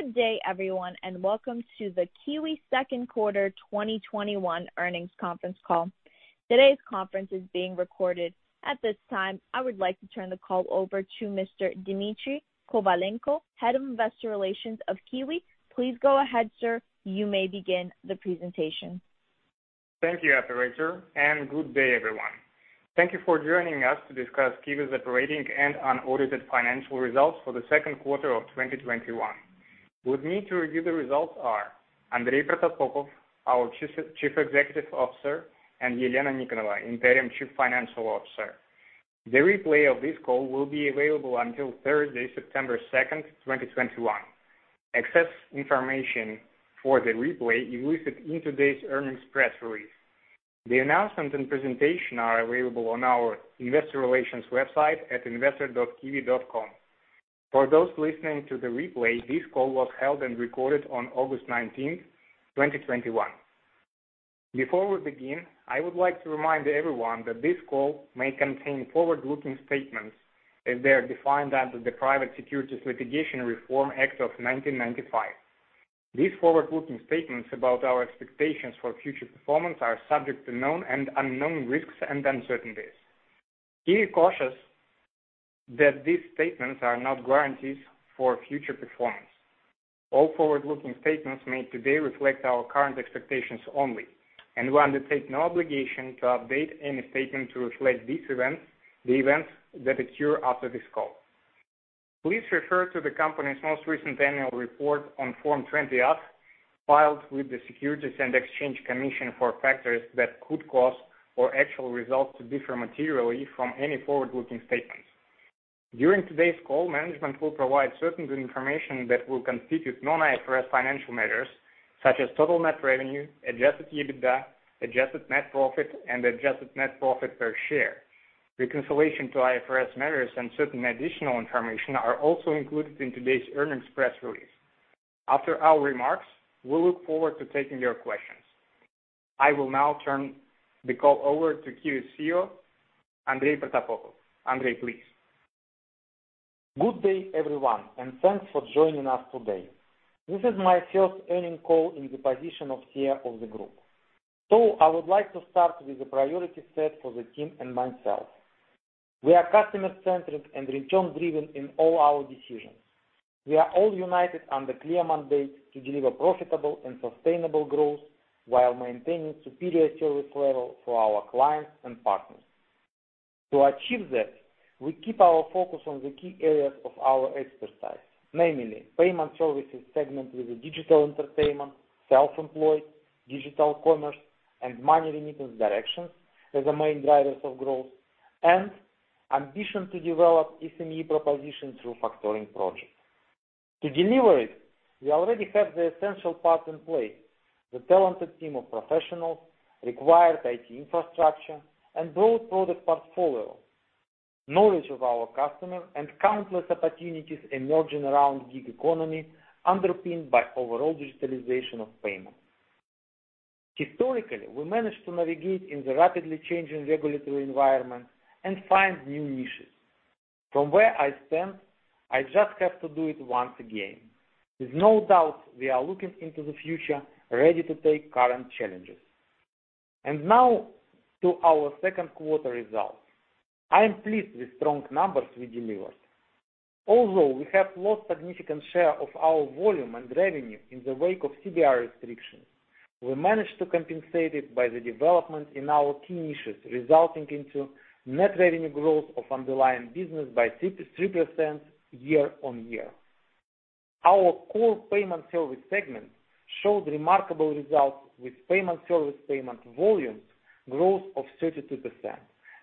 Good day, everyone, and welcome to the QIWI second quarter 2021 earnings conference call. Today's conference is being recorded. At this time, I would like to turn the call over to Mr. Dmitry Kovalenko, Head of Investor Relations of QIWI. Please go ahead, sir. You may begin the presentation. Thank you, operator. Good day, everyone. Thank you for joining us to discuss QIWI's operating and unaudited financial results for the second quarter of 2021. With me to review the results are Andrey Protopopov, our Chief Executive Officer, and Elena Nikonova, Interim Chief Financial Officer. The replay of this call will be available until Thursday, September 2nd, 2021. Access information for the replay is listed in today's earnings press release. The announcement and presentation are available on our investor relations website at investor.qiwi.com. For those listening to the replay, this call was held and recorded on August 19th, 2021. Before we begin, I would like to remind everyone that this call may contain forward-looking statements as they are defined under the Private Securities Litigation Reform Act of 1995. These forward-looking statements about our expectations for future performance are subject to known and unknown risks and uncertainties. QIWI cautions that these statements are not guarantees for future performance. All forward-looking statements made today reflect our current expectations only, and we undertake no obligation to update any statement to reflect the events that occur after this call. Please refer to the company's most recent annual report on Form 20-F, filed with the Securities and Exchange Commission for factors that could cause or actual results to differ materially from any forward-looking statements. During today's call, management will provide certain information that will constitute non-IFRS financial measures such as total net revenue, adjusted EBITDA, adjusted net profit, and adjusted net profit per share. Reconciliation to IFRS measures and certain additional information are also included in today's earnings press release. After our remarks, we look forward to taking your questions. I will now turn the call over to QIWI CEO, Andrey Protopopov. Andrey, please. Good day, everyone, and thanks for joining us today. This is my first earnings call in the position of chair of the group. I would like to start with the priority set for the team and myself. We are customer-centric and return-driven in all our decisions. We are all united under clear mandate to deliver profitable and sustainable growth while maintaining superior service level for our clients and partners. To achieve that, we keep our focus on the key areas of our expertise, namely payment services segment with the digital entertainment, self-employed, digital commerce, and money remittance directions as the main drivers of growth, and ambition to develop SME proposition through factoring projects. To deliver it, we already have the essential parts in play, the talented team of professionals, required IT infrastructure, and broad product portfolio, knowledge of our customer, and countless opportunities emerging around gig economy underpinned by overall digitalization of payments. Historically, we managed to navigate in the rapidly changing regulatory environment and find new niches. From where I stand, I just have to do it once again. With no doubt, we are looking into the future ready to take current challenges. Now to our second quarter results. I am pleased with strong numbers we delivered. Although we have lost significant share of our volume and revenue in the wake of CBR restrictions, we managed to compensate it by the development in our key niches, resulting into net revenue growth of underlying business by 3% year-on-year. Our core payment service segment showed remarkable results with payment service payment volumes growth of 32%,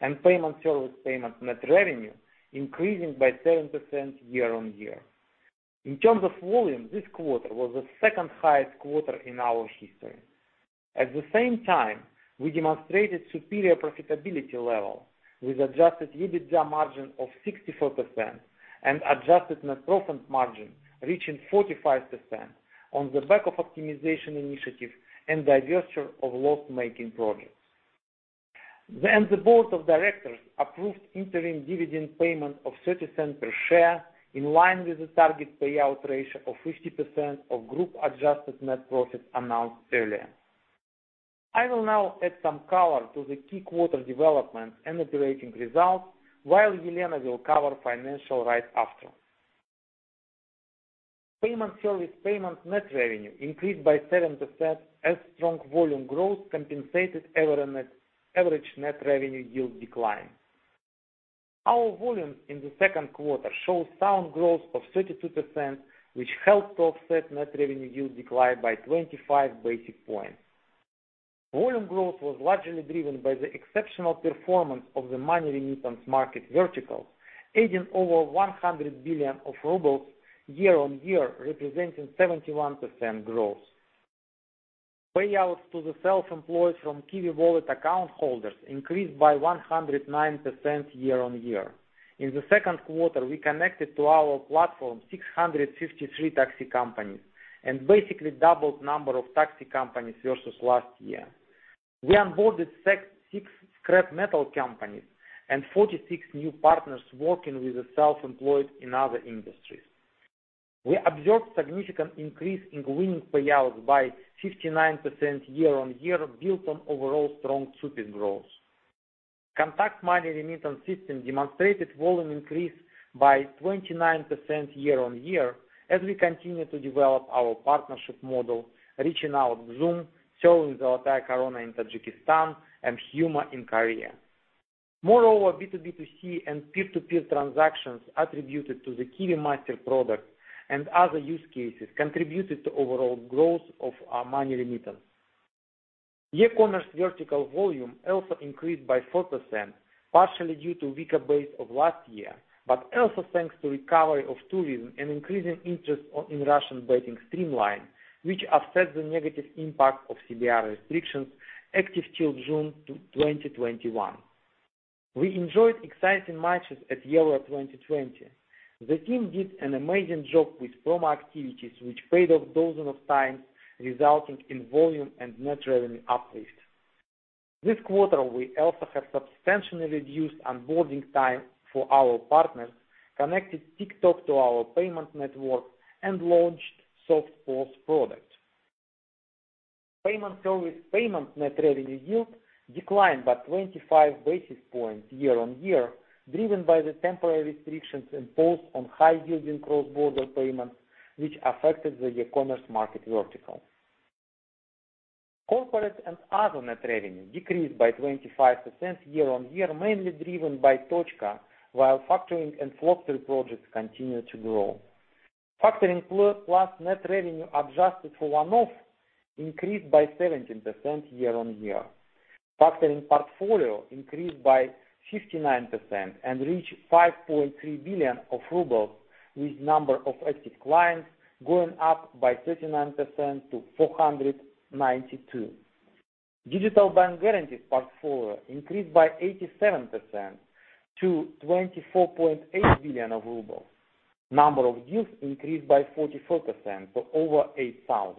and payment service payment net revenue increasing by 7% year-on-year. In terms of volume, this quarter was the second highest quarter in our history. At the same time, we demonstrated superior profitability level with adjusted EBITDA margin of 64% and adjusted net profit margin reaching 45% on the back of optimization initiative and divesture of loss-making projects. The board of directors approved interim dividend payment of $0.30 per share in line with the target payout ratio of 50% of group adjusted net profit announced earlier. I will now add some color to the key quarter developments and operating results while Elena will cover financial right after. Payment service payment net revenue increased by 7% as strong volume growth compensated average net revenue yield decline. Our volumes in the second quarter show sound growth of 32%, which helped to offset net revenue yield decline by 25 basis points. Volume growth was largely driven by the exceptional performance of the money remittance market vertical, aiding over 100 billion rubles year-on-year, representing 71% growth. Payouts to the self-employed from QIWI Wallet account holders increased by 109% year-on-year. In the second quarter, we connected to our platform 653 taxi companies, and basically doubled number of taxi companies versus last year. We onboarded six scrap metal companies and 46 new partners working with the self-employed in other industries. We observed significant increase in winning payouts by 59% year-on-year built on overall strong TSUPIS growth. Contact money remittance system demonstrated volume increase by 29% year-on-year as we continue to develop our partnership model, reaching out Xoom, in Tajikistan, and Huma in Korea. Moreover, B2B2C and peer-to-peer transactions attributed to the QIWI Master product and other use cases contributed to overall growth of our money remittance. E-commerce vertical volume also increased by 4%, partially due to weaker base of last year, but also thanks to recovery of tourism and increasing interest in Russian betting streamline, which offset the negative impact of CBR restrictions active till June 2021. We enjoyed exciting matches at EURO 2020. The team did an amazing job with promo activities, which paid off dozens of times, resulting in volume and net revenue uplift. This quarter, we also have substantially reduced onboarding time for our partners, connected TikTok to our payment network, and launched SoftPOS product. Payment service payment net revenue yield declined by 25 basis points year-on-year, driven by the temporary restrictions imposed on high-yielding cross-border payments, which affected the e-commerce market vertical. Corporate and other net revenue decreased by 25% year-on-year, mainly driven by Tochka, while Factoring and Flocktory projects continue to grow. Factoring PLUS net revenue adjusted for one-off increased by 17% year-on-year. Factoring portfolio increased by 59% and reached 5.3 billion rubles, with number of active clients going up by 39% to 492. Digital bank guarantees portfolio increased by 87% to 24.8 billion rubles. Number of deals increased by 44% to over 8,000.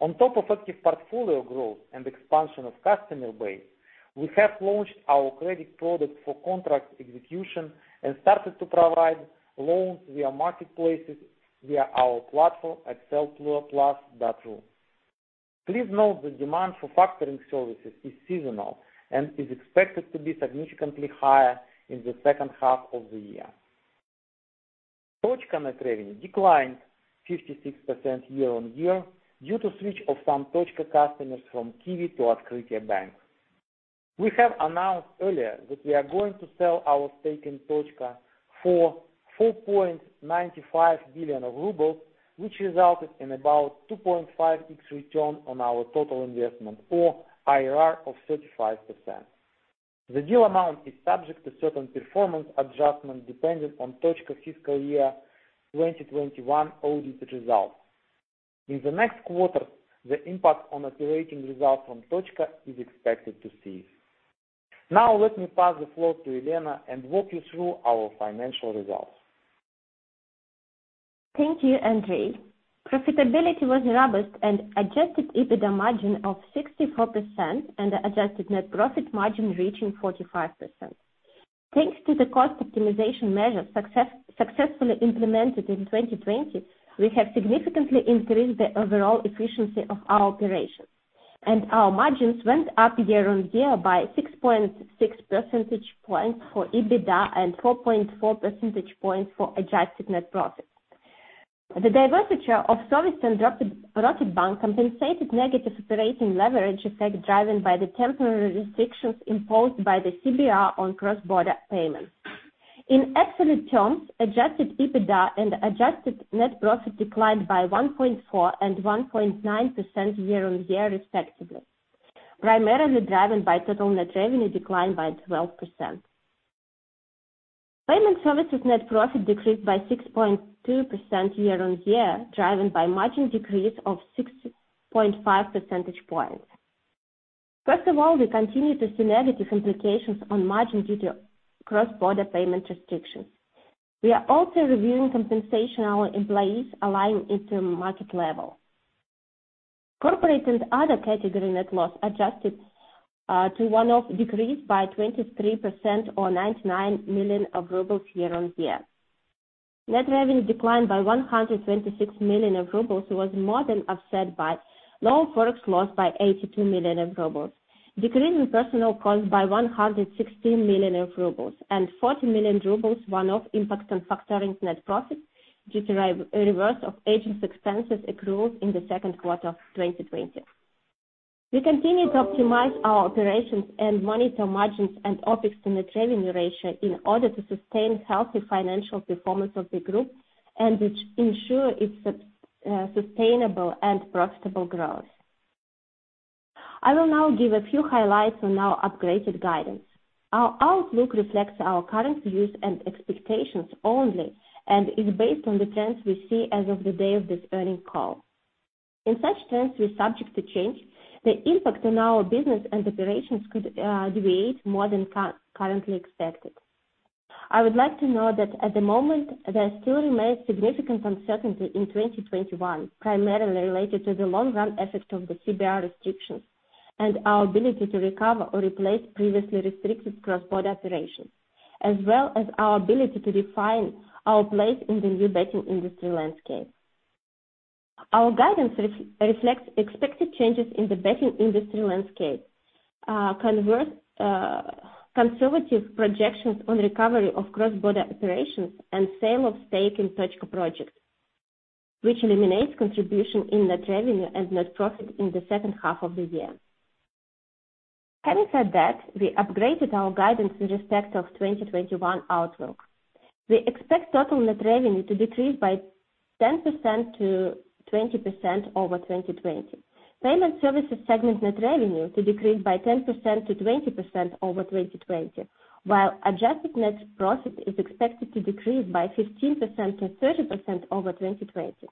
On top of active portfolio growth and expansion of customer base, we have launched our credit product for contract execution and started to provide loans via marketplaces via our platform at sellplus.ru. Please note the demand for Factoring services is seasonal and is expected to be significantly higher in the second half of the year. Tochka net revenue declined 56% year-on-year due to switch of some Tochka customers from QIWI to Otkritie Bank. We have announced earlier that we are going to sell our stake in Tochka for 4.95 billion rubles, which resulted in about 2.5x return on our total investment or IRR of 35%. The deal amount is subject to certain performance adjustments depending on Tochka fiscal year 2021 audit results. In the next quarter, the impact on operating results from Tochka is expected to cease. Now let me pass the floor to Elena and walk you through our financial results. Thank you, Andrey. Profitability was robust and adjusted EBITDA margin of 64% and adjusted net profit margin reaching 45%. Thanks to the cost optimization measures successfully implemented in 2020, we have significantly increased the overall efficiency of our operations, and our margins went up year-on-year by 6.6 percentage points for EBITDA and 4.4 percentage points for adjusted net profit. The divestiture of SOVEST and Rocketbank compensated negative operating leverage effect driven by the temporary restrictions imposed by the CBR on cross-border payments. In absolute terms, adjusted EBITDA and adjusted net profit declined by 1.4% and 1.9% year-on-year respectively, primarily driven by total net revenue decline by 12%. Payment services net profit decreased by 6.2% year-on-year, driven by margin decrease of 6.5 percentage points. First of all, we continue to see negative implications on margin due to cross-border payment restrictions. We are also reviewing compensation our employees align it to market level. Corporate and other category net loss adjusted to one-off decreased by 23% or 99 million rubles year-over-year. Net revenue declined by 126 million rubles was more than offset by lower Forex loss by 82 million rubles. Decrease in personnel cost by 116 million rubles and 40 million rubles one-off impact on Factoring net profit due to reverse of agents expenses accrued in the second quarter of 2020. We continue to optimize our operations and monitor margins and OpEx net revenue ratio in order to sustain healthy financial performance of the group and ensure its sustainable and profitable growth. I will now give a few highlights on our upgraded guidance. Our outlook reflects our current views and expectations only and is based on the trends we see as of the day of this earnings call. In such trends, we subject to change, the impact on our business and operations could deviate more than currently expected. I would like to note that at the moment, there still remains significant uncertainty in 2021, primarily related to the long-run effect of the CBR restrictions and our ability to recover or replace previously restricted cross-border operations, as well as our ability to define our place in the new betting industry landscape. Our guidance reflects expected changes in the betting industry landscape, conservative projections on recovery of cross-border operations, and sale of stake in Tochka projects, which eliminates contribution in net revenue and net profit in the second half of the year. Having said that, we upgraded our guidance in respect of 2021 outlook. We expect total net revenue to decrease by 10%-20% over 2020. Payment services segment net revenue to decrease by 10%-20% over 2020. While adjusted net profit is expected to decrease by 15%-30% over 2020.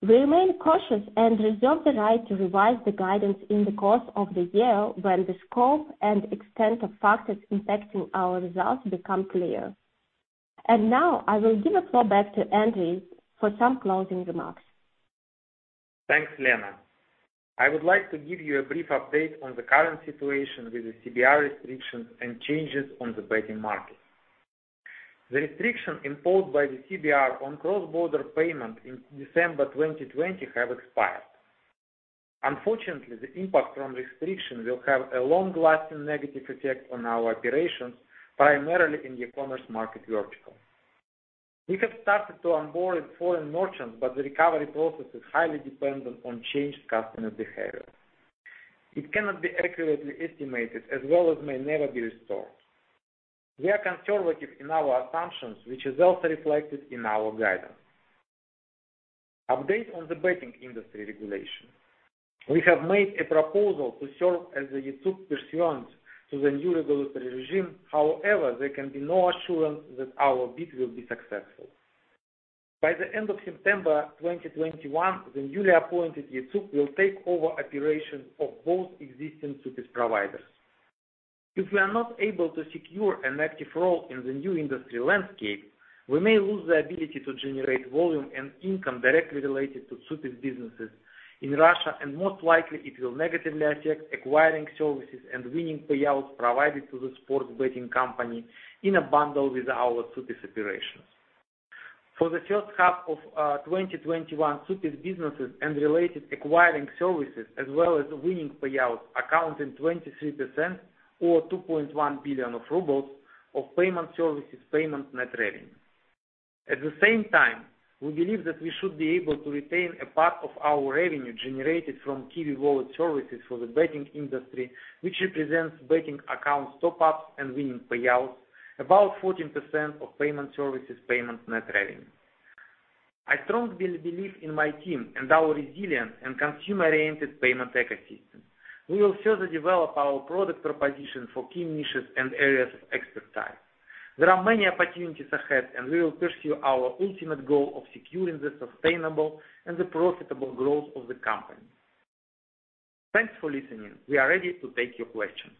We remain cautious and reserve the right to revise the guidance in the course of the year when the scope and extent of factors impacting our results become clear. Now I will give the floor back to Andrey for some closing remarks. Thanks, Elena. I would like to give you a brief update on the current situation with the CBR restrictions and changes on the betting market. The restrictions imposed by the CBR on cross-border payments in December 2020 have expired. Unfortunately, the impact from restrictions will have a long-lasting negative effect on our operations, primarily in the commerce market vertical. We have started to onboard foreign merchants, but the recovery process is highly dependent on changed customer behavior. It cannot be accurately estimated as well as may never be restored. We are conservative in our assumptions, which is also reflected in our guidance. Update on the betting industry regulation. We have made a proposal to serve as a ETSUP pursuant to the new regulatory regime. There can be no assurance that our bid will be successful. By the end of September 2021, the newly appointed ETSUP will take over operation of both existing TSUPIS providers. If we are not able to secure an active role in the new industry landscape, we may lose the ability to generate volume and income directly related to TSUPIS businesses in Russia, and most likely it will negatively affect acquiring services and winning payouts provided to the sports betting company in a bundle with our TSUPIS operations. For the first half of 2021 TSUPIS businesses and related acquiring services, as well as winning payouts accounting 23% or 2.1 billion rubles of payment services payment net revenue. At the same time, we believe that we should be able to retain a part of our revenue generated from QIWI Wallet services for the betting industry, which represents betting account top-ups and winning payouts, about 14% of payment services payment net revenue. I strongly believe in my team and our resilient and consumer-oriented payment ecosystem. We will further develop our product proposition for key niches and areas of expertise. There are many opportunities ahead, and we will pursue our ultimate goal of securing the sustainable and the profitable growth of the company. Thanks for listening. We are ready to take your questions.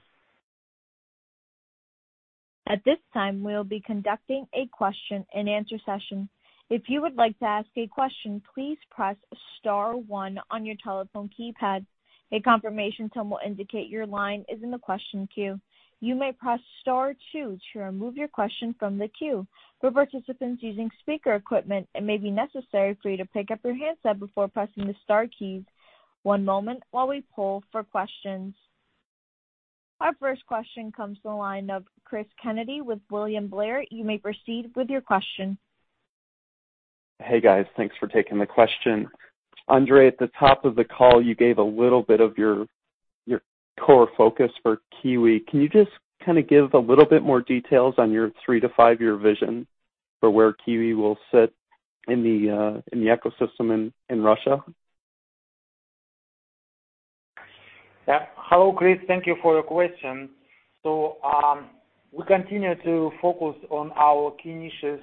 Our first question comes to the line of Cris Kennedy with William Blair. You may proceed with your question. Hey, guys. Thanks for taking the question. Andrey, at the top of the call, you gave a little bit of your core focus for QIWI. Can you just give a little bit more details on your three to five-year vision for where QIWI will sit in the ecosystem in Russia? Yeah. Hello, Cris. Thank you for your question. We continue to focus on our key niches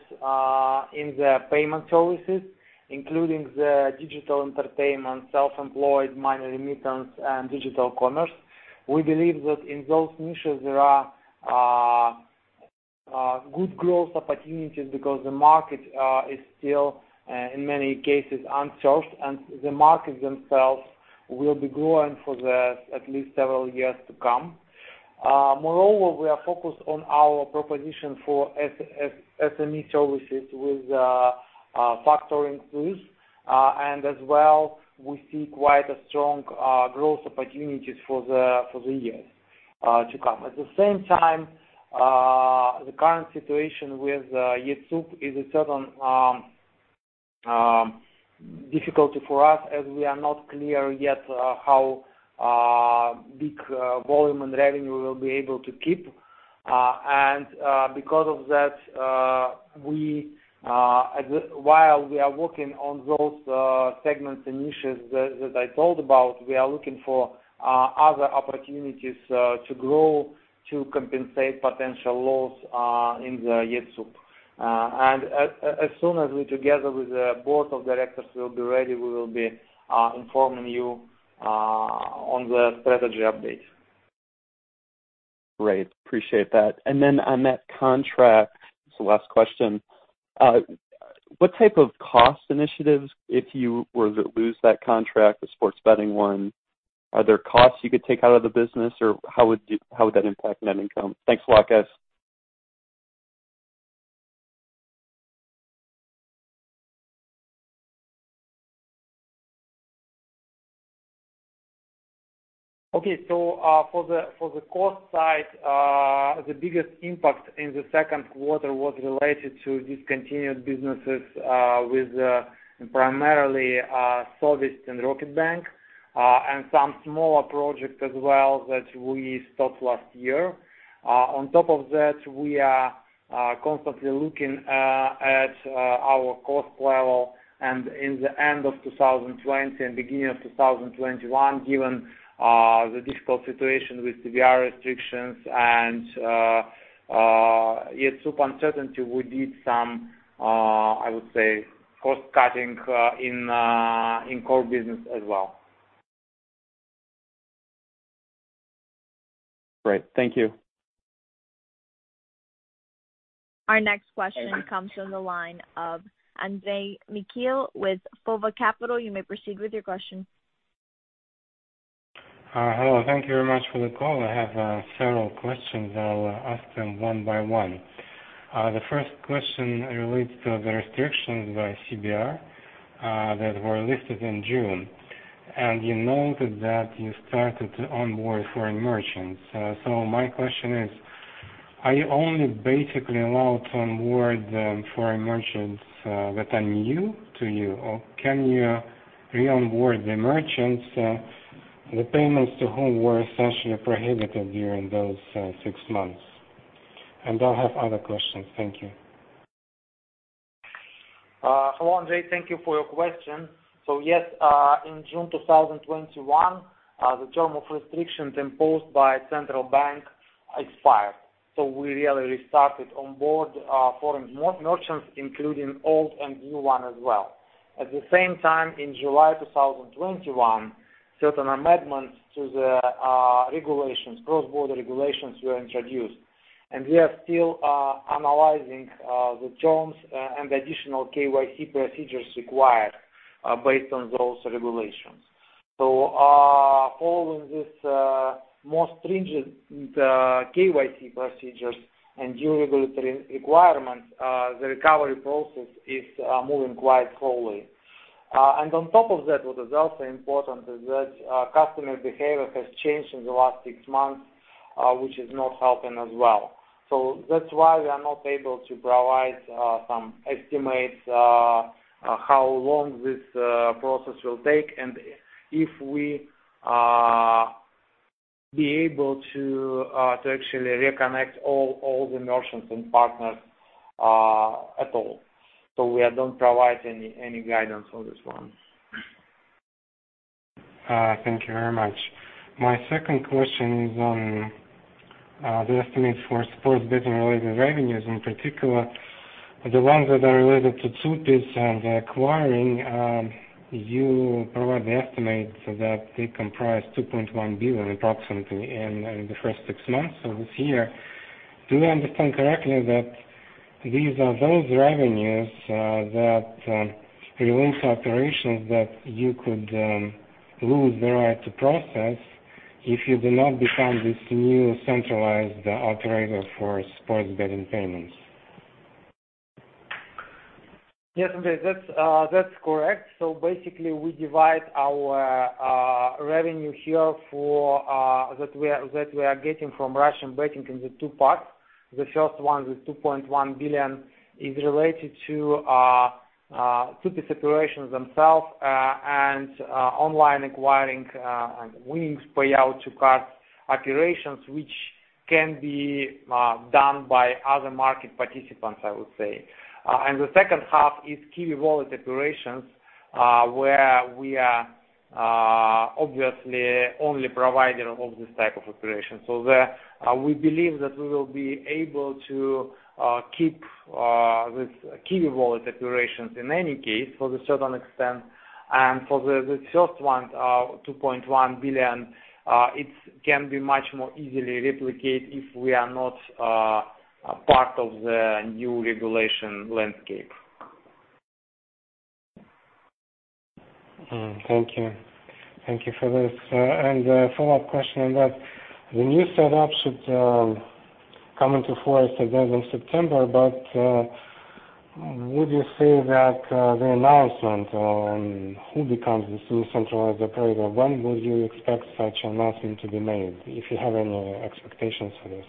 in the payment services, including the digital entertainment, self-employed, money remittance, and digital commerce. We believe that in those niches, there are good growth opportunities because the market is still, in many cases, unserved, and the markets themselves will be growing for at least several years to come. Moreover, we are focused on our proposition for SME services with Factoring PLUS. As well, we see quite a strong growth opportunities for the years to come. At the same time, the current situation with ETSUP is a certain difficulty for us, as we are not clear yet how big volume and revenue we will be able to keep. Because of that, while we are working on those segments and niches that I told about, we are looking for other opportunities, to grow to compensate potential loss in the ETSUP. As soon as we, together with the board of directors, will be ready, we will be informing you on the strategy update. Great. Appreciate that. On that contract, it's the last question. What type of cost initiatives, if you were to lose that contract, the sports betting one, are there costs you could take out of the business? How would that impact net income? Thanks a lot, guys. For the cost side, the biggest impact in the second quarter was related to discontinued businesses with primarily SOVEST and Rocketbank, and some smaller projects as well that we stopped last year. On top of that, we are constantly looking at our cost level. In the end of 2020 and beginning of 2021, given the difficult situation with CBR restrictions and ETSUP uncertainty, we did some, I would say, cost cutting in core business as well. Great. Thank you. Our next question comes from the line of Andrei Mikhailov with Sova Capital. You may proceed with your question. Hello. Thank you very much for the call. I have several questions. I'll ask them one by one. The first question relates to the restrictions by CBR that were listed in June. You noted that you started to onboard foreign merchants. My question is, are you only basically allowed to onboard foreign merchants that are new to you? Can you re-onboard the merchants, the payments to whom were essentially prohibited during those six months? I'll have other questions. Thank you. Hello, Andrei. Thank you for your question. Yes, in June 2021, the term of restrictions imposed by Central Bank expired. We really restarted onboard foreign merchants, including old and new one as well. At the same time, in July 2021, certain amendments to the regulations, cross-border regulations, were introduced. We are still analyzing the terms and additional KYC procedures required based on those regulations. Following these more stringent KYC procedures and new regulatory requirements, the recovery process is moving quite slowly. On top of that, what is also important is that customer behavior has changed in the last six months, which is not helping as well. That's why we are not able to provide some estimates how long this process will take and if we be able to actually reconnect all the merchants and partners at all. We don't provide any guidance on this one. Thank you very much. My second question is on the estimates for sports betting-related revenues, in particular, the ones that are related to TSUPIS and acquiring. You provide the estimate that they comprise 2.1 billion approximately in the first six months of this year. Do I understand correctly that these are those revenues that relate to operations that you could lose the right to process if you do not become this new centralized operator for sports betting payments? Yes, Andrei. That's correct. Basically, we divide our revenue here that we are getting from Russian betting into two parts. The first one, the 2.1 billion, is related to TSUPIS operations themselves and online acquiring and winnings payout to cards operations, which can be done by other market participants, I would say. The second half is QIWI Wallet operations, where we are obviously only provider of this type of operation. We believe that we will be able to keep this QIWI Wallet operations in any case for a certain extent. For the first one, 2.1 billion, it can be much more easily replicated if we are not a part of the new regulation landscape. Thank you. Thank you for this. A follow-up question on that. The new set-up should come into force, I guess, in September. Would you say that the announcement on who becomes this new centralized operator, when would you expect such announcement to be made, if you have any expectations for this?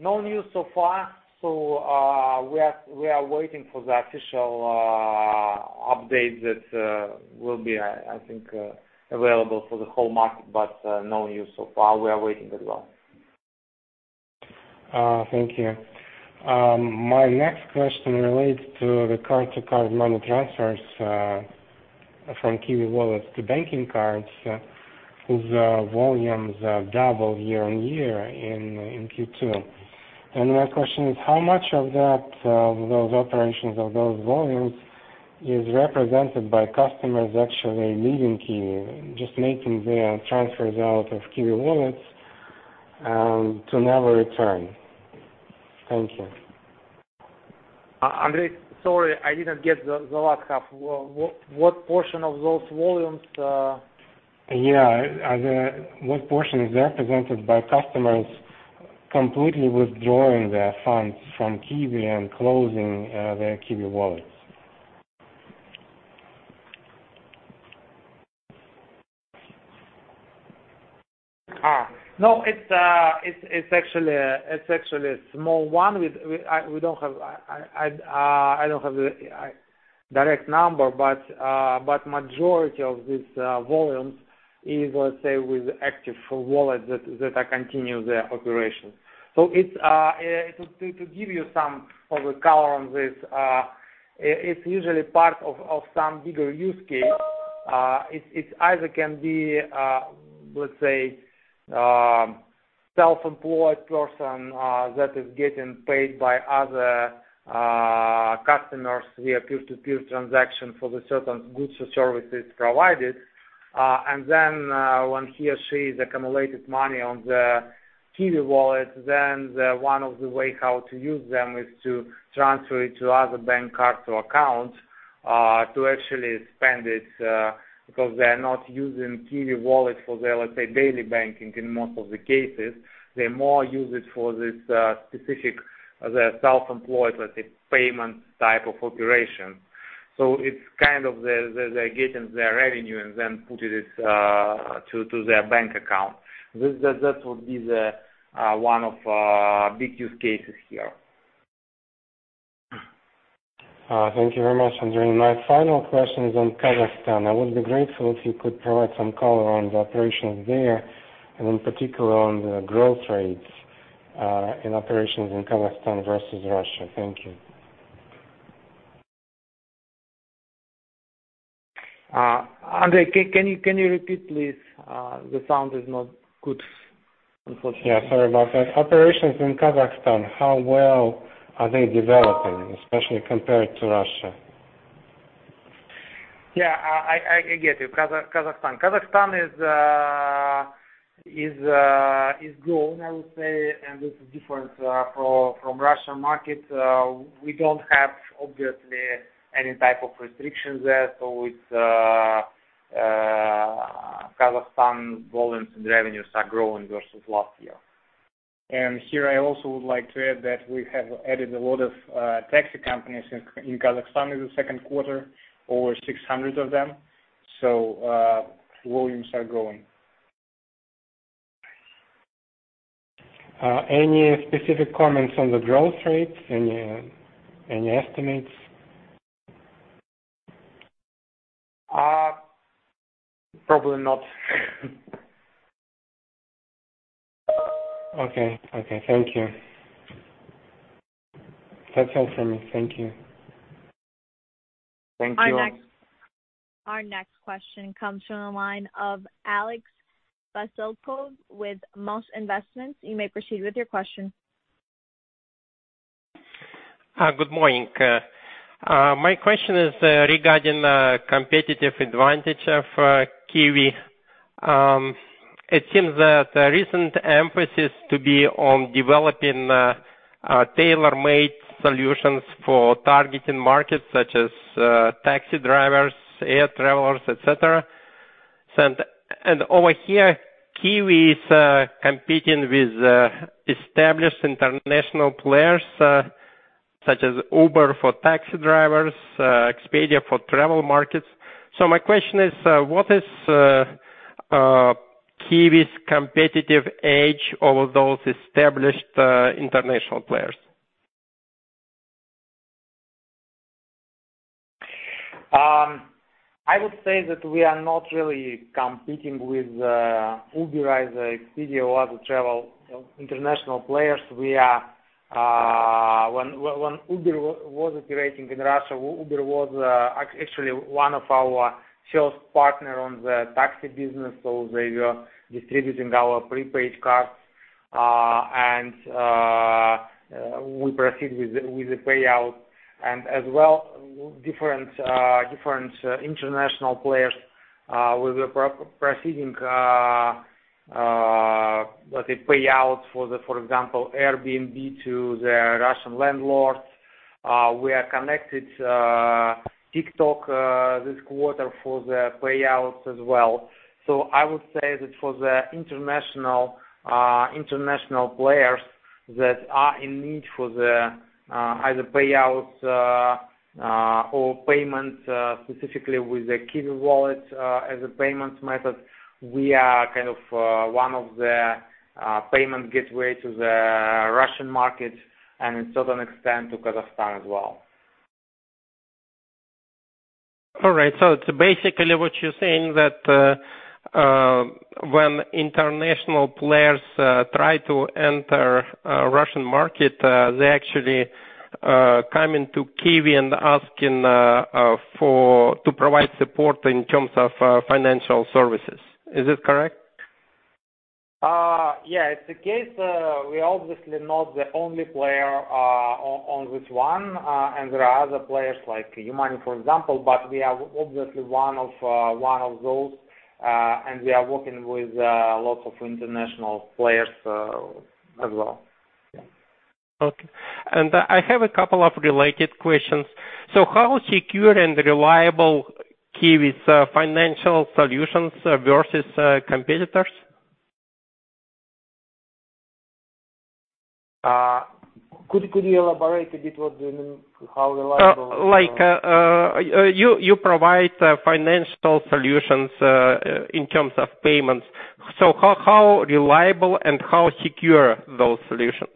No news so far. We are waiting for the official update that will be, I think, available for the whole market, but no news so far. We are waiting as well. Thank you. My next question relates to the card-to-card money transfers from QIWI wallets to banking cards, whose volumes double year-on-year in Q2. My question is, how much of those operations of those volumes is represented by customers actually leaving QIWI, just making their transfers out of QIWI Wallets to never return? Andrei, sorry, I didn't get the last half. What portion of those volumes? Yeah. What portion is represented by customers completely withdrawing their funds from QIWI and closing their QIWI Wallets? It's actually a small one. I don't have the direct number, but majority of these volumes is, let's say, with active Wallets that are continue their operation. To give you some of the color on this, it's usually part of some bigger use case. It either can be, let's say, self-employed person that is getting paid by other customers via peer-to-peer transaction for the certain goods or services provided. When he or she is accumulated money on the QIWI Wallet, then one of the way how to use them is to transfer it to other bank cards or accounts, to actually spend it, because they are not using QIWI Wallet for their, let's say, daily banking in most of the cases. They more use it for this specific, self-employed, let's say, payment type of operation. They're getting their revenue and then put it to their bank account. That would be one of big use cases here. Thank you very much, Andrey. My final question is on Kazakhstan. I would be grateful if you could provide some color on the operations there, and in particular on the growth rates in operations in Kazakhstan versus Russia? Thank you. Andrei, can you repeat, please? The sound is not good, unfortunately. Yeah, sorry about that. Operations in Kazakhstan, how well are they developing, especially compared to Russia? Yeah, I get you. Kazakhstan. Kazakhstan is growing, I would say, and this is different from Russian market. We don't have, obviously, any type of restrictions there. Kazakhstan volumes and revenues are growing versus last year. Here I also would like to add that we have added a lot of taxi companies in Kazakhstan in the second quarter, over 600 of them. Volumes are growing. Any specific comments on the growth rates? Any estimates? Probably not. Okay. Thank you. That's all from me. Thank you. Thank you. Our next question comes from the line of [Alex Basilko] with [Maus Investments]. You may proceed with your question. Good morning. My question is regarding competitive advantage of QIWI. It seems that recent emphasis to be on developing tailor-made solutions for targeting markets such as taxi drivers, air travelers, et cetera. Over here, QIWI is competing with established international players such as Uber for taxi drivers, Expedia for travel markets. My question is, what is QIWI's competitive edge over those established international players? I would say that we are not really competing with Uber, Expedia, or other travel international players. When Uber was operating in Russia, Uber was actually one of our sales partner on the taxi business, so they were distributing our prepaid cards. We proceed with the payout. As well, different international players, we were proceeding, let's say, payouts for example, Airbnb to the Russian landlords. We are connected TikTok this quarter for the payouts as well. I would say that for the international players that are in need for the either payouts or payments specifically with the QIWI Wallet as a payments method, we are one of the payment gateway to the Russian market, and in certain extent to Kazakhstan as well. All right. Basically what you're saying when international players try to enter Russian market, they actually come into QIWI and asking to provide support in terms of financial services. Is this correct? Yeah. It's the case. We are obviously not the only player on this one, and there are other players like YooMoney, for example, but we are obviously one of those, and we are working with lots of international players as well. Yeah. Okay. I have a couple of related questions. How secure and reliable QIWI's financial solutions versus competitors? Could you elaborate a bit what you mean? How reliable? You provide financial solutions in terms of payments. How reliable and how secure are those solutions?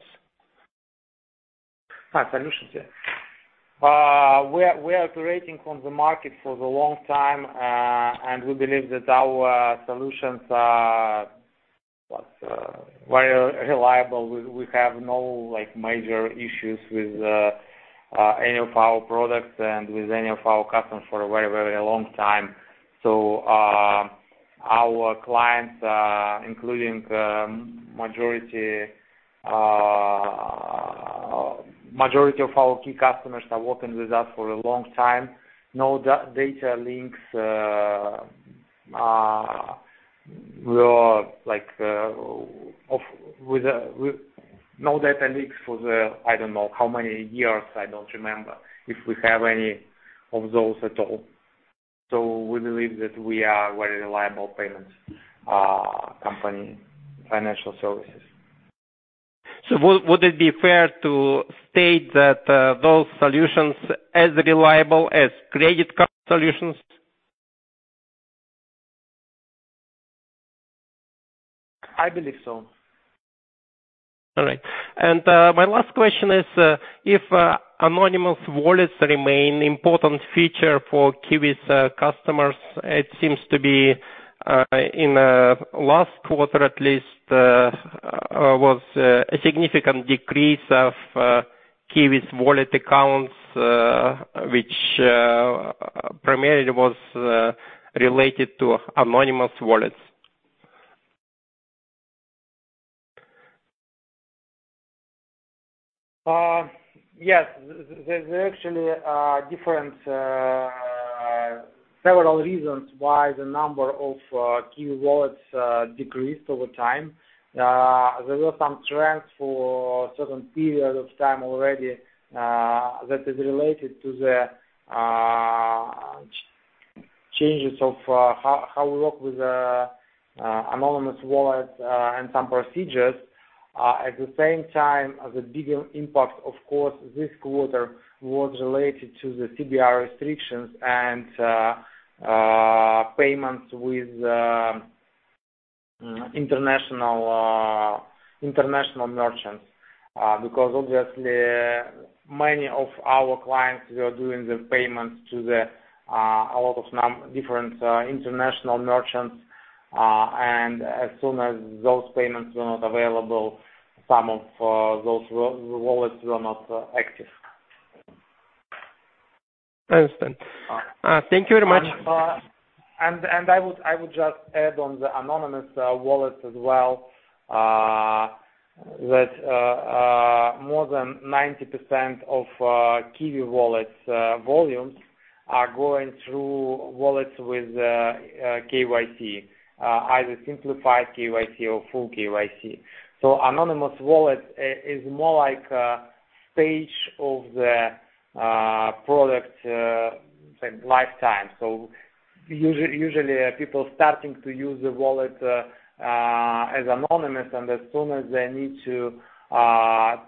Solutions. We are operating on the market for a long time, and we believe that our solutions are very reliable. We have no major issues with any of our products and with any of our customers for a very long time. Our clients, including majority of our key customers, have worked with us for a long time. No data leaks for, I don't know how many years, I don't remember, if we have any of those at all. We believe that we are a very reliable payment company, financial services. Would it be fair to state that those solutions as reliable as credit card solutions? I believe so. All right. My last question is, if anonymous wallets remain important feature for QIWI's customers, it seems to be in last quarter at least, was a significant decrease of QIWI's Wallet accounts, which primarily was related to anonymous wallets. Yes. There actually are several reasons why the number of QIWI Wallets decreased over time. There were some trends for a certain period of time already that is related to the changes of how we work with anonymous wallets and some procedures. At the same time, the bigger impact, of course, this quarter was related to the CBR restrictions and payments with international merchants. Obviously, many of our clients were doing the payments to a lot of different international merchants, and as soon as those payments were not available, some of those Wallets were not active. I understand. Thank you very much. I would just add on the anonymous wallet as well, that more than 90% of QIWI Wallet volumes are going through wallets with KYC, either simplified KYC or full KYC. Anonymous wallet is more like a stage of the product lifetime. Usually people starting to use the wallet as anonymous, and as soon as they need to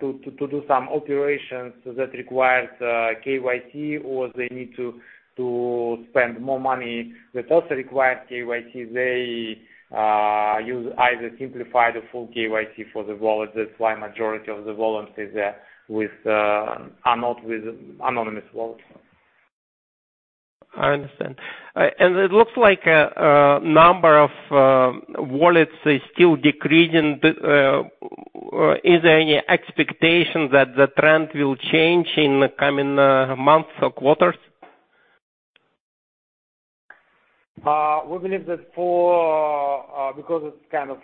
do some operations that requires KYC or they need to spend more money that also requires KYC, they use either simplified or full KYC for the wallet. That's why majority of the wallets are not anonymous wallets. I understand. It looks like number of wallets is still decreasing. Is there any expectation that the trend will change in coming months or quarters? Because it's kind of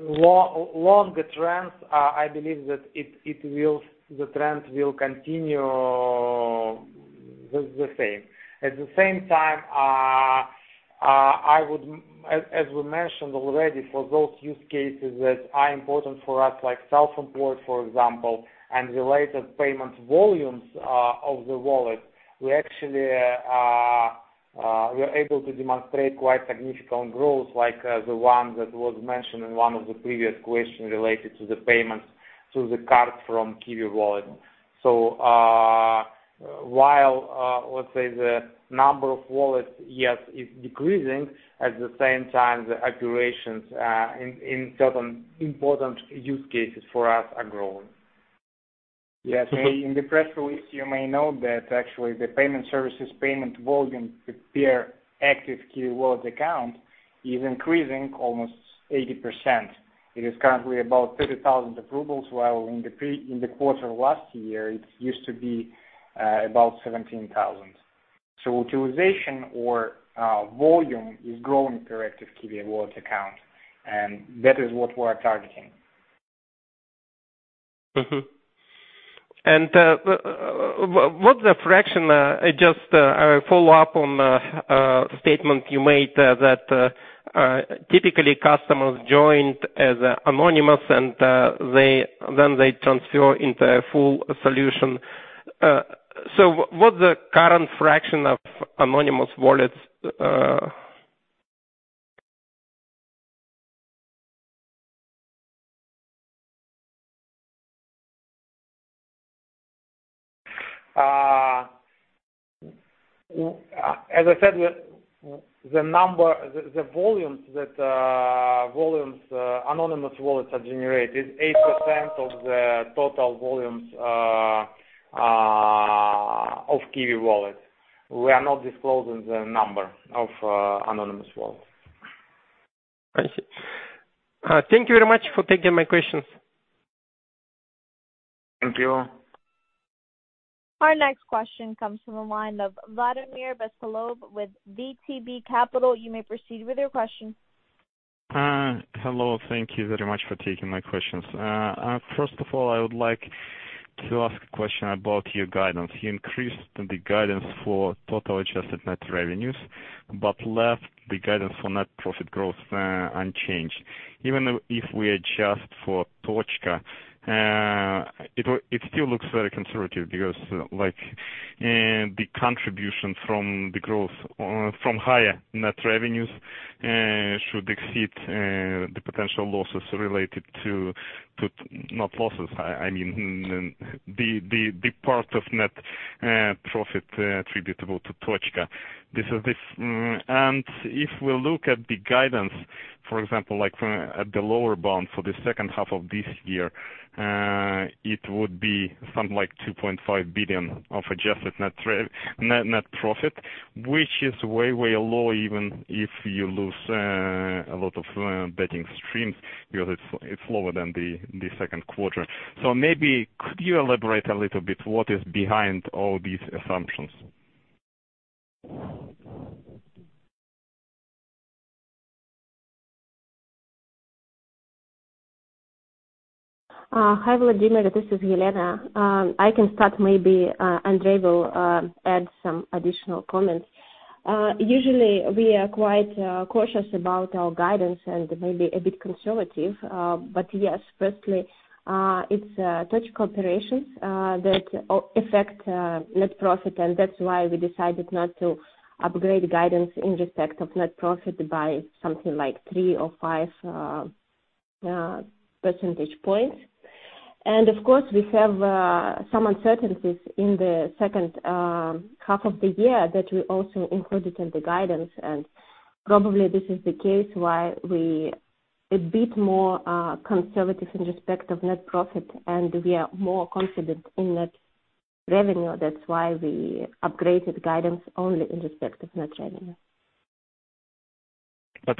longer trends, I believe that the trend will continue the same. At the same time, as we mentioned already, for those use cases that are important for us, like self-employed, for example, and related payment volumes of the wallet, we actually are able to demonstrate quite significant growth, like the one that was mentioned in one of the previous questions related to the payments to the card from QIWI Wallet. While, let's say the number of wallets, yes, is decreasing, at the same time, the operations in certain important use cases for us are growing. Yes. In the press release, you may note that actually the payment services payment volume per active QIWI Wallet account is increasing almost 80%. It is currently about 30,000 rubles, while in the quarter last year, it used to be about 17,000. Utilization or volume is growing per active QIWI Wallet account, and that is what we are targeting. What's the fraction, just a follow-up on the statement you made, that typically customers joined as anonymous and then they transfer into a full solution? What's the current fraction of anonymous wallets? As I said, the volume that anonymous wallets are generated, 8% of the total volumes of QIWI Wallet. We are not disclosing the number of anonymous wallets. I see. Thank you very much for taking my questions. Thank you. Our next question comes from the line of Vladimir Bespalov with VTB Capital. You may proceed with your question. Hello. Thank you very much for taking my questions. I would like to ask a question about your guidance. You increased the guidance for total adjusted net revenues, left the guidance for net profit growth unchanged. Even if we adjust for Tochka, it still looks very conservative because, the contribution from higher net revenues should exceed the potential losses, I mean the part of net profit attributable to Tochka. If we look at the guidance, for example, at the lower bond for the second half of this year, it would be something like 2.5 billion of adjusted net profit, which is way low, even if you lose a lot of betting streams because it's lower than the second quarter. Maybe could you elaborate a little bit what is behind all these assumptions? Hi, Vladimir, this is Elena. I can start, maybe Andrey will add some additional comments. Usually, we are quite cautious about our guidance and maybe a bit conservative. Yes, firstly, it's Tochka operations that affect net profit, and that's why we decided not to upgrade guidance in respect of net profit by something like 3 or 5 percentage points. Of course, we have some uncertainties in the second half of the year that we also included in the guidance. Probably this is the case why we're a bit more conservative in respect of net profit, and we are more confident in net revenue. That's why we upgraded guidance only in respect of net revenue.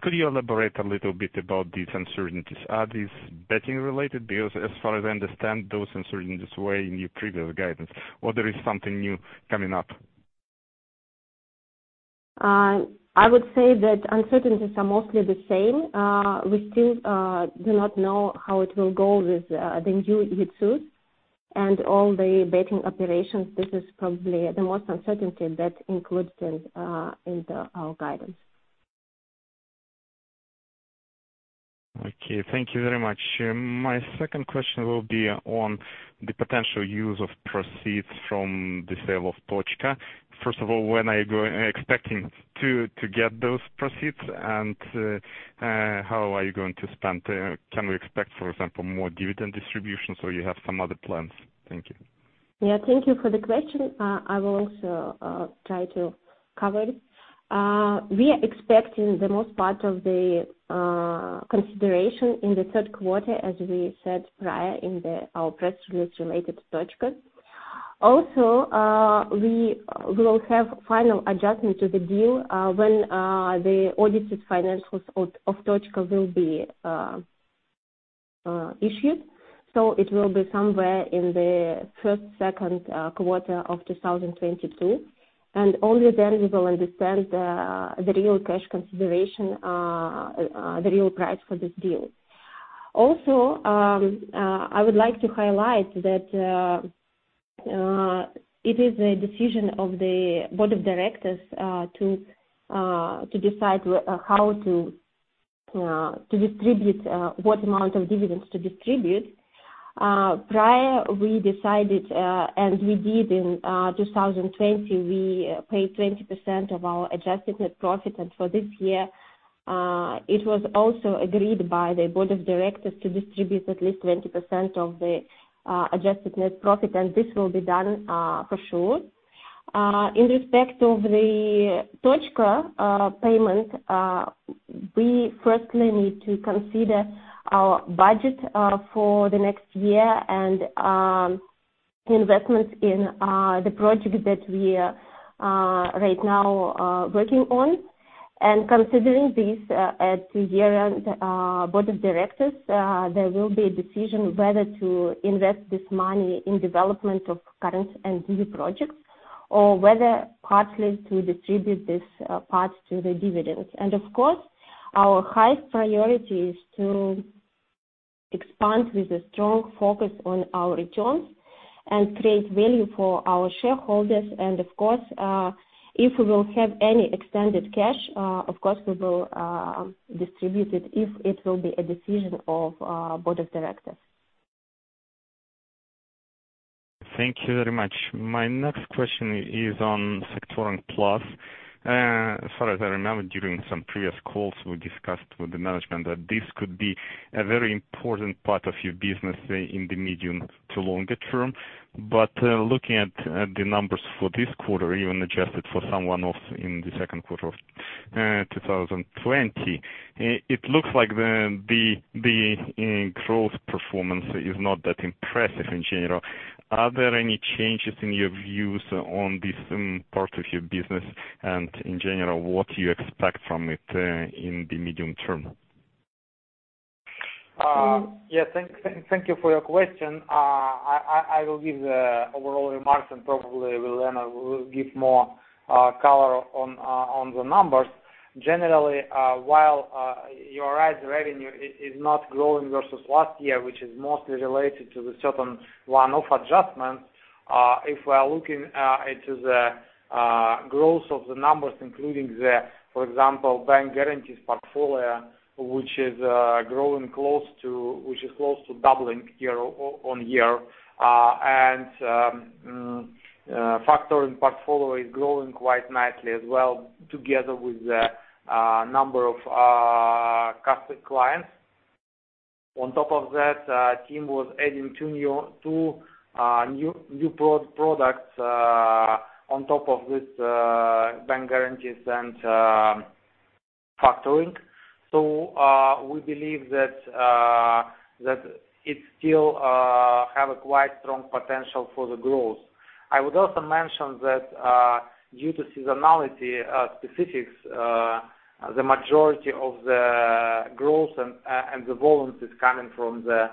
Could you elaborate a little bit about these uncertainties? Are these betting related? Because as far as I understand, those uncertainties were in your previous guidance or there is something new coming up? I would say that uncertainties are mostly the same. We still do not know how it will go with the new ETSUP and all the betting operations. This is probably the most uncertainty that includes in our guidance. Thank you very much. My second question will be on the potential use of proceeds from the sale of Tochka. First of all, when are you expecting to get those proceeds, and how are you going to spend? Can we expect, for example, more dividend distribution, so you have some other plans? Thank you. Yeah, thank you for the question. I will also try to cover it. We are expecting the most part of the consideration in the third quarter, as we said prior in our OpEx related to Tochka. We will have final adjustment to the deal when the audited financials of Tochka will be issued. It will be somewhere in the first, second quarter of 2022. Only then we will understand the real cash consideration, the real price for this deal. I would like to highlight that it is the decision of the board of directors to decide what amount of dividends to distribute. Prior, we decided, and we did in 2020, we paid 20% of our adjusted net profit. For this year, it was also agreed by the board of directors to distribute at least 20% of the adjusted net profit, and this will be done for sure. In respect of the Tochka payment, we firstly need to consider our budget for the next year and investments in the project that we are right now working on. Considering this, at year-end board of directors, there will be a decision whether to invest this money in development of current and new projects, or whether partly to distribute this part to the dividends. Of course, our highest priority is to expand with a strong focus on our returns and create value for our shareholders. Of course, if we will have any extended cash, of course we will distribute it if it will be a decision of board of directors. Thank you very much. My next question is on Factoring PLUS. As far as I remember, during some previous calls, we discussed with the management that this could be a very important part of your business in the medium to longer term. Looking at the numbers for this quarter, even adjusted for some one-off in the second quarter of 2020, it looks like the growth performance is not that impressive in general. Are there any changes in your views on this part of your business? In general, what do you expect from it in the medium term? Yes. Thank you for your question. I will give the overall remarks and probably Elena will give more color on the numbers. While you're right, the revenue is not growing versus last year, which is mostly related to certain one-off adjustments. We're looking into the growth of the numbers, including the, for example, bank guarantees portfolio, which is close to doubling year-over-year. Factoring portfolio is growing quite nicely as well together with the number of clients. On top of that, team was adding two new products on top of this bank guarantees and Factoring. We believe that it still have a quite strong potential for the growth. I would also mention that due to seasonality specifics, the majority of the growth and the volumes is coming from the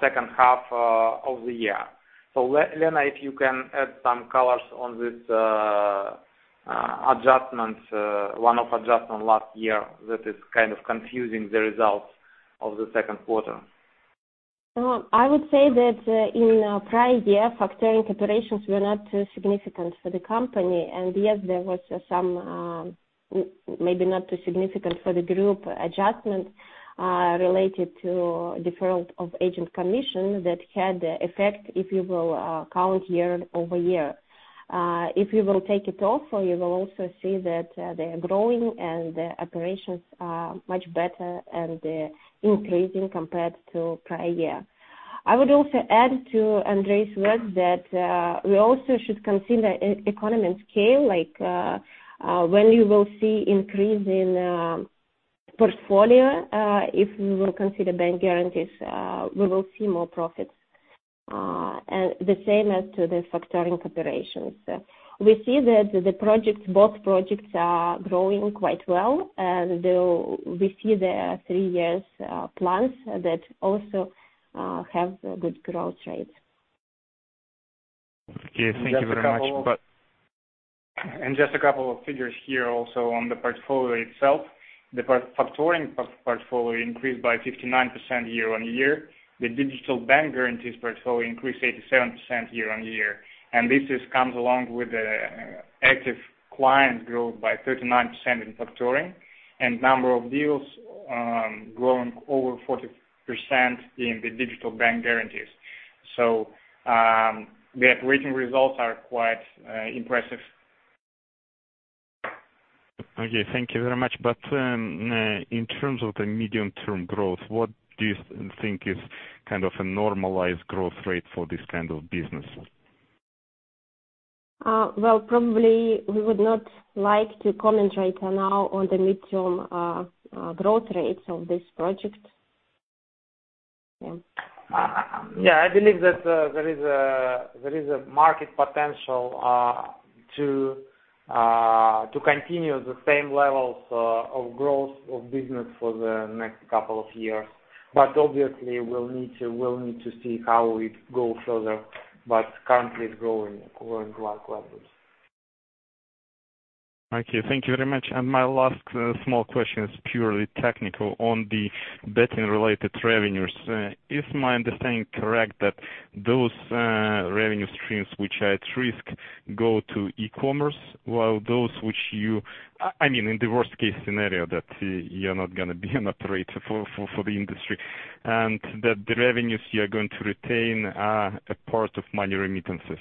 second half of the year. Elena, if you can add some colors on this one-off adjustment last year that is kind of confusing the results of the second quarter. I would say that in prior year, Factoring operations were not significant for the company. Yes, there was some, maybe not too significant for the group adjustment, related to deferral of agent commission that had effect if you will count year-over-year. If you will take it off, you will also see that they are growing and the operations are much better and increasing compared to prior year. I would also add to Andrey's words that we also should consider economy scale, like when you will see increase in portfolio, if we will consider bank guarantees, we will see more profits. The same as to the Factoring operations. We see that both projects are growing quite well, and we see the three-year plans that also have good growth rates. Okay. Thank you very much. Just a couple of figures here also on the portfolio itself. The factoring portfolio increased by 59% year-on-year. The digital bank guarantees portfolio increased 87% year-on-year. This comes along with the active clients growth by 39% in factoring, and number of deals growing over 40% in the digital bank guarantees. The operating results are quite impressive. Okay. Thank you very much. In terms of the medium-term growth, what do you think is kind of a normalized growth rate for this kind of business? Well, probably we would not like to comment right now on the medium growth rates of this project. Yeah. Yeah, I believe that there is a market potential to continue the same levels of growth of business for the next couple of years. Obviously we'll need to see how it goes further. Currently it's growing according to our plans. Okay. Thank you very much. My last small question is purely technical on the betting related revenues. Is my understanding correct that those revenue streams which are at risk go to e-commerce while those which I mean, in the worst case scenario, that you're not going to be an operator for the industry, and that the revenues you're going to retain are a part of money remittances.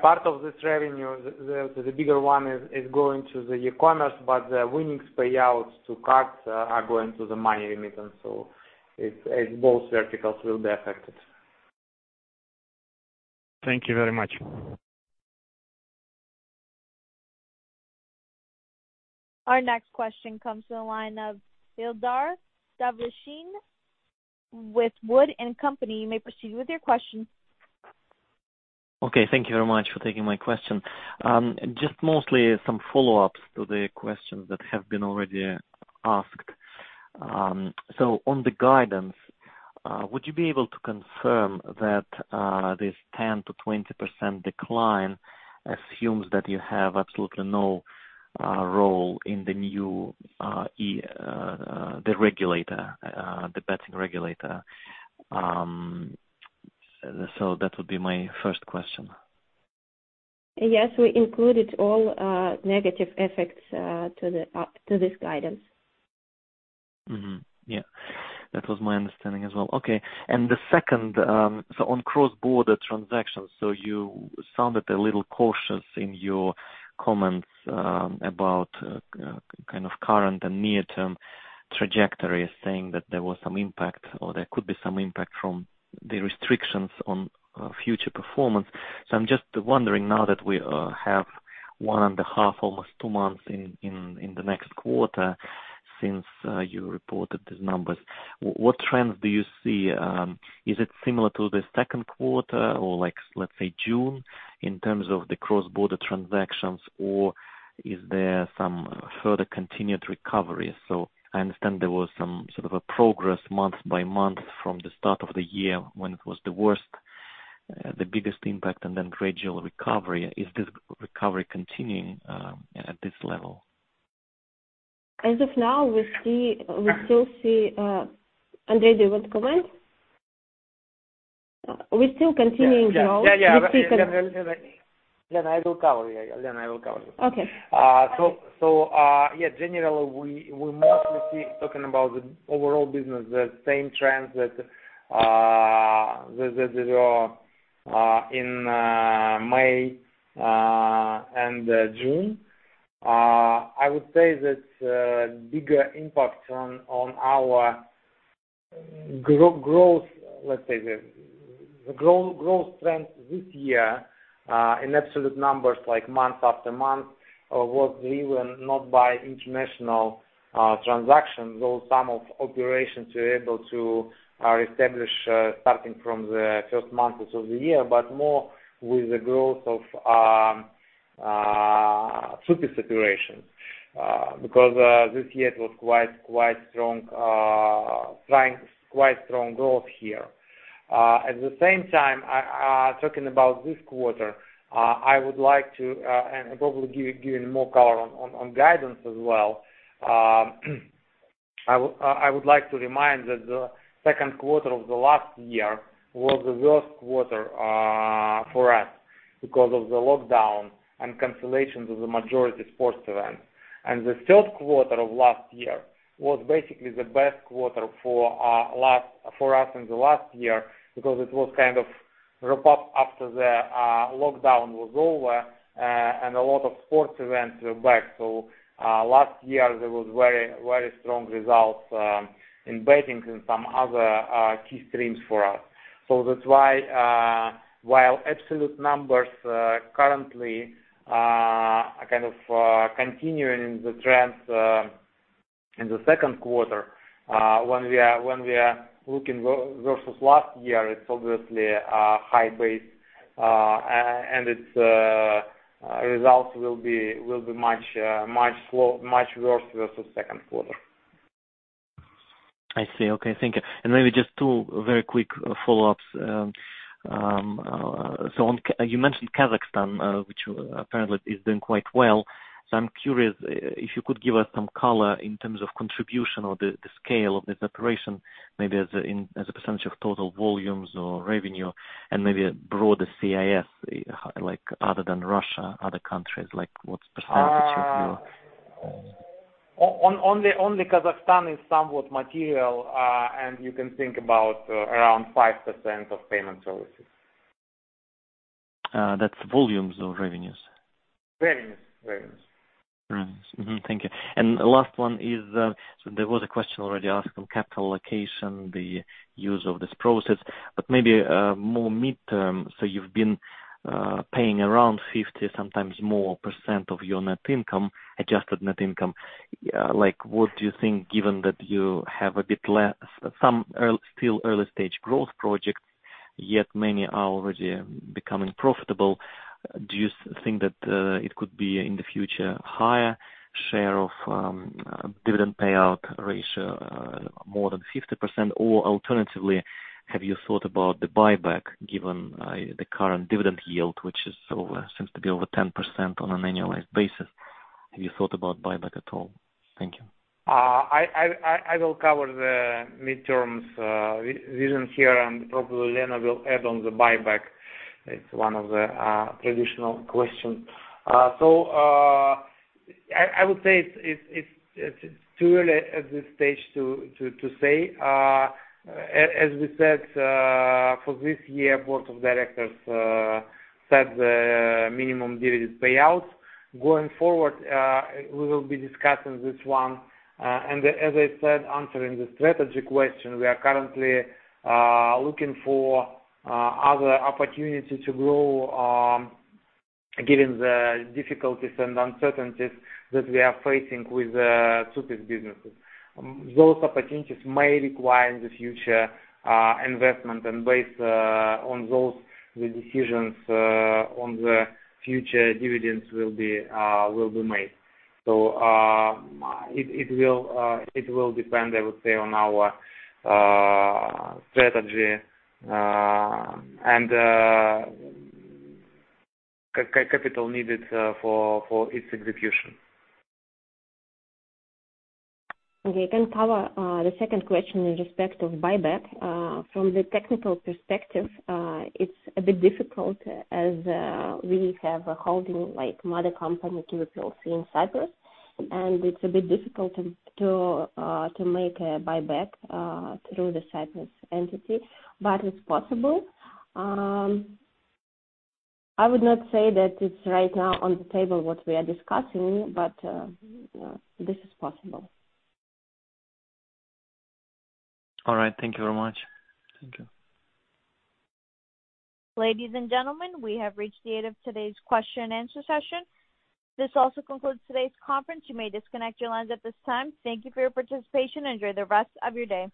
Part of this revenue, the bigger one, is going to the e-commerce, but the winnings payouts to cards are going to the money remittance. Both verticals will be affected. Thank you very much. Our next question comes from the line of Ildar Davletshin with WOOD & Company. You may proceed with your question. Okay, thank you very much for taking my question. Just mostly some follow-ups to the questions that have been already asked. On the guidance, would you be able to confirm that this 10%-20% decline assumes that you have absolutely no role in the betting regulator? That would be my first question. Yes, we included all negative effects to this guidance. Yeah, that was my understanding as well. Okay. The second, on cross-border transactions, you sounded a little cautious in your comments about kind of current and near-term trajectories, saying that there was some impact or there could be some impact from the restrictions on future performance. I'm just wondering now that we have 1.5, almost two months in the next quarter since you reported these numbers, what trends do you see? Is it similar to the seconnd quarter or let's say June, in terms of the cross-border transactions, or is there some further continued recovery? I understand there was some sort of a progress month by month from the start of the year when it was the worst, the biggest impact, and then gradual recovery. Is this recovery continuing at this level? As of now, we still see Andrey, do you want to comment? We're still continuing to grow. Yeah. Elena, I will cover you. Okay. Yeah, generally, we mostly see, talking about the overall business, the same trends that were in May and June. I would say that bigger impact on our growth trends this year in absolute numbers like month after month, was driven not by international transactions, although some of operations we were able to reestablish starting from the first months of the year, but more with the growth of TSUPIS situation. This year it was quite strong growth here. At the same time, talking about this quarter, and probably giving more color on guidance as well, I would like to remind that the second quarter of the last year was the worst quarter for us because of the lockdown and cancellations of the majority sports event. The third quarter of last year was basically the best quarter for us in the last year because it was kind of rip-up after the lockdown was over and a lot of sports events were back. Last year there was very strong results in betting and some other key streams for us. That's why, while absolute numbers currently are kind of continuing the trends in the second quarter, when we are looking versus last year, it's obviously a high base, and its results will be much worse versus second quarter. I see. Okay, thank you. Maybe just two very quick follow-ups. You mentioned Kazakhstan, which apparently is doing quite well. I'm curious if you could give us some color in terms of contribution or the scale of this operation, maybe as a percentage of total volumes or revenue, and maybe a broader CIS, other than Russia, other countries, like what percentage of your- Only Kazakhstan is somewhat material, and you can think about around 5% of payment services. That's volumes or revenues? Revenues. Revenues. Revenues. Thank you. Last one is, there was a question already asked on capital allocation, the use of this process, but maybe more midterm. You've been paying around 50%, sometimes more percent of your net income, adjusted net income. What do you think, given that you have some still early-stage growth projects, yet many are already becoming profitable, do you think that it could be in the future higher share of dividend payout ratio, more than 50%? Alternatively, have you thought about the buyback given the current dividend yield, which seems to be over 10% on an annualized basis? Have you thought about buyback at all? Thank you. I will cover the midterms vision here, and probably Elena will add on the buyback. It's one of the traditional questions. I would say it's too early at this stage to say. As we said for this year, board of directors set the minimum dividends payout. Going forward, we will be discussing this one. As I said, answering the strategy question, we are currently looking for other opportunities to grow, given the difficulties and uncertainties that we are facing with the TSUPIS businesses. Those opportunities may require the future investment, and based on those decisions on the future dividends will be made. It will depend, I would say, on our strategy, and capital needed for its execution. I can cover the second question in respect of buyback. From the technical perspective, it's a bit difficult as we have a holding like mother company, QIWI plc, in Cyprus, and it's a bit difficult to make a buyback through the Cyprus entity, but it's possible. I would not say that it's right now on the table what we are discussing, but this is possible. All right. Thank you very much. Thank you. Ladies and gentlemen, we have reached the end of today's question and answer session. This also concludes today's conference. You may disconnect your lines at this time. Thank you for your participation. Enjoy the rest of your day.